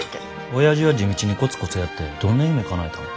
おやじは地道にコツコツやってどんな夢かなえたん。